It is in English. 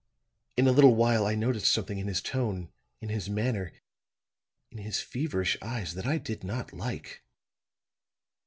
In a little while I noticed something in his tone, in his manner, in his feverish eyes that I did not like."